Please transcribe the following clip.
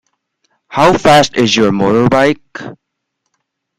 How fast is your motorbike?